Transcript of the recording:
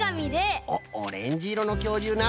おっオレンジいろのきょうりゅうな。